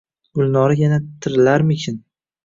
Gulnora yana "tirilarmikin"?